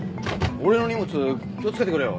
俺の荷物気を付けてくれよ。